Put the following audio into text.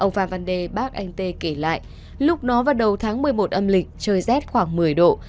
ông phạm văn đê bác anh t kể lại lúc đó vào đầu tháng một mươi một âm lịch trời rét khoảng một mươi độ